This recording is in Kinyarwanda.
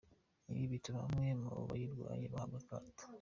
Ibi bituma bamwe mu bayirwaye bahabwa akato.